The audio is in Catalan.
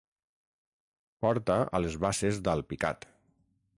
Porta a les basses d'Alpicat.